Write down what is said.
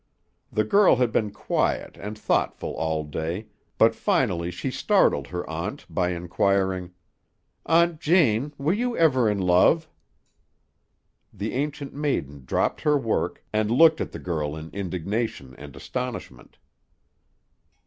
The girl had been quiet and thoughtful all day, but finally she startled her aunt by inquiring, "Aunt Jane, were you ever in love?" The Ancient Maiden dropped her work, and looked at the girl in indignation and astonishment.